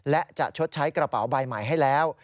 และจะชดใช้กระเป๋าใบใหม่ให้แล้ว